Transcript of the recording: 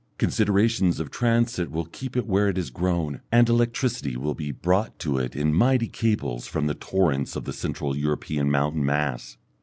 Considerations of transit will keep it where it has grown, and electricity will be brought to it in mighty cables from the torrents of the central European mountain mass.